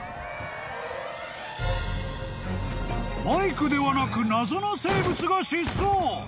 ［バイクではなく謎の生物が疾走！］